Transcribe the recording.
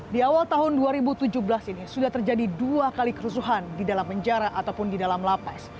di awal tahun dua ribu tujuh belas ini sudah terjadi dua kali kerusuhan di dalam penjara ataupun di dalam lapas